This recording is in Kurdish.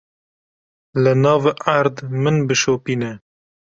Li nav erd min bişopîne.